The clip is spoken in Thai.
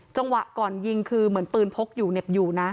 จังหวะก่อนยิงคือเหมือนปืนพกอยู่เหน็บอยู่นะ